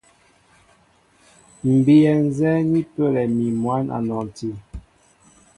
M̀ bíyɛ nzɛ́ɛ́ ni pəlɛ mi mwǎn a nɔnti.